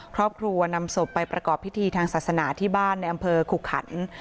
ครอบครัวนำศพไปประกอบพิธีทางศาสนาที่บ้านในอำเภอขุขัน